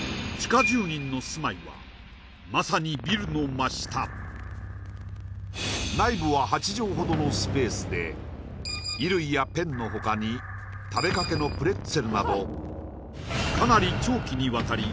何か内部は８畳ほどのスペースで衣類やペンの他に食べかけのプレッツェルなどかなり長期にわたり